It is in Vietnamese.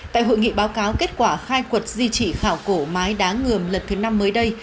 tại hội nghị báo cáo kết quả khai quật di trị khảo cổ mái đá ngườm lần thứ năm mới đây